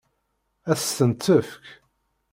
Ad s-tent-tefk?